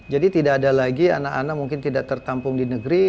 tidak ada lagi anak anak mungkin tidak tertampung di negeri